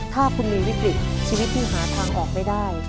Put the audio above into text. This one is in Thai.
ถ้าคุณมีวิกฤตชีวิตที่หาทางออกไม่ได้